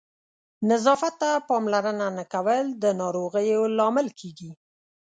نظافت ته پاملرنه نه کول د ناروغیو لامل کېږي.